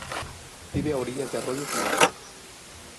Vive a orillas de arroyos en los bosques.